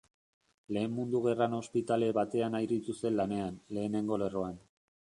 Lehen Mundu Gerran ospitale batean aritu zen lanean, lehenengo lerroan.